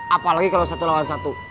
apalagi kalau satu lawan satu